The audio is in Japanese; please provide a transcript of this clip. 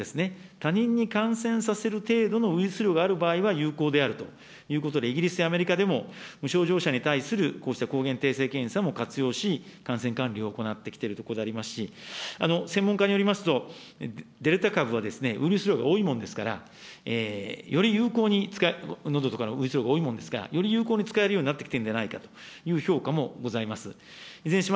他方、無症状であっても、他人に感染させる程度のウイルス量がある場合は有効であるということで、イギリスやアメリカでも無症状者に対するこうした抗原定性検査も活用し、感染管理を行ってきているところでありますし、専門家によりますと、デルタ株はウイルス量が多いもんですから、より有効に使える、のどとかにウイルス量が多いもんですから、より有効に使えるようになってきてるんじゃないかという評価もございます。